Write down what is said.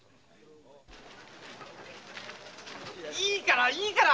いいから。